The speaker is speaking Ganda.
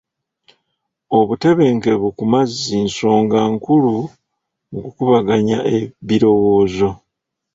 Obutebenkevu ku mazzi nzonga nkulu mu kukubaganya birowoozo.